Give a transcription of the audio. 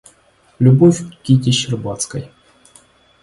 Любовь к Кити Щербацкой.